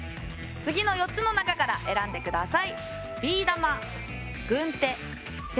次の４つの中から選んでください。